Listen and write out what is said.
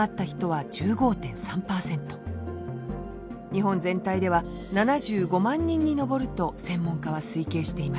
日本全体では７５万人に上ると専門家は推計しています